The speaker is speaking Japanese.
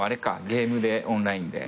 ゲームでオンラインで。